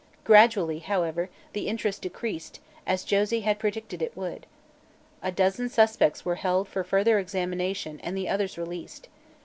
Gradually, however, the interest decreased, as Josie had predicted it would. A half dozen suspects were held for further examination and the others released.